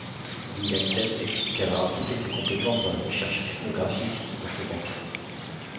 Gillian Tett explique avoir appliqué ses compétences dans la recherche ethnographique dans ses enquêtes.